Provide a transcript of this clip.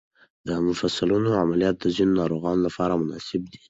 د مفصلونو عملیات د ځینو ناروغانو لپاره مناسب دي.